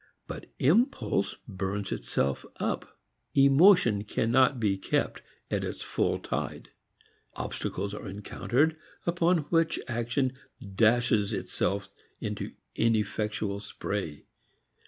But impulse burns itself up. Emotion cannot be kept at its full tide. Obstacles are encountered upon which action dashes itself into ineffectual spray.